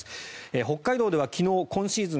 北海道では昨日今シーズン